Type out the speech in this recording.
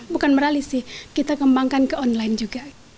bukan merali sih kita kembangkan ke online juga